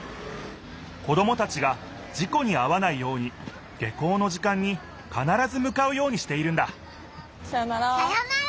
子どもたちが事故にあわないように下校の時間にかならずむかうようにしているんださようなら。